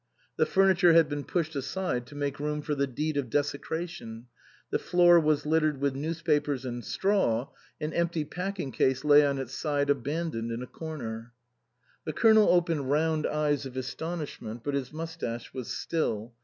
The furniture had been pushed aside to make room for the deed of desecration ; the floor was littered with newspapers and straw ; an empty packing case lay on its side abandoned in a corner. The Colonel opened round eyes of astonish ment, but his moustache was still.